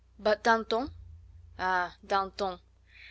"But Danton?" "Ah! Danton?